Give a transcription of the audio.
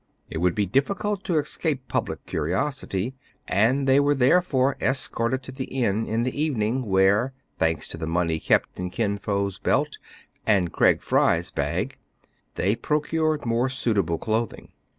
It would be difficult to escape pub lic curiosity ; and they were therefore escorted to CRAIG AND FRY SEE THE MOON RISE. 245 the inn in the evening, where, thanks to the money kept in Kin Fo's belt and Craig Fry's bag, they procured more suitable clothing.